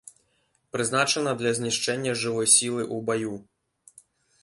Прызначана для знішчэння жывой сілы ў баю.